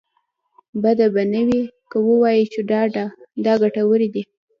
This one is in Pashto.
بده به نه وي که ووايو چې دا ګټورې دي.